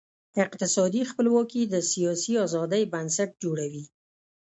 اقتصادي خپلواکي د سیاسي آزادۍ بنسټ جوړوي.